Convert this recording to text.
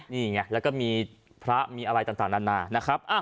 นี่ไงแล้วก็มีพระมีอะไรต่างนานานะครับ